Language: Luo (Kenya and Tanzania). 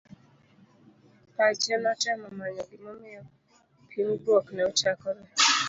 Pache notemo manyo gima omiyo pingruok ne ochakre.